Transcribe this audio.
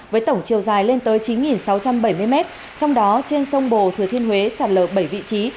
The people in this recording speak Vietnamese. với tổng chiều dài lên tới chín sáu trăm bảy mươi m trong đó trên sông bồ thừa thiên huế sạt lở bảy vị trí